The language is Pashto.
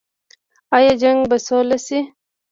آیا جنګ به سوله شي؟